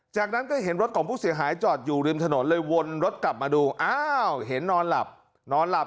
จากนั้นก็เห็นรถของผู้เสียหายจอดอยู่ริมถนนเลยวนรถกลับมาดูอ้าวเห็นนอนหลับนอนหลับ